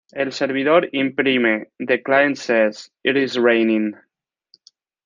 El servidor imprime "The client says: it is raining".